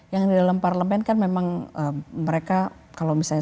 yang di dalam parlemen kan memang mereka kalau misalnya